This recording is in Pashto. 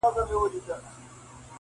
• د بادار کور -